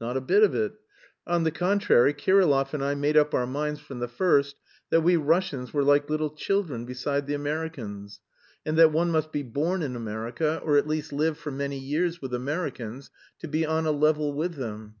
"Not a bit of it. On the contrary, Kirillov and I made up our minds from the first that we Russians were like little children beside the Americans, and that one must be born in America, or at least live for many years with Americans to be on a level with them.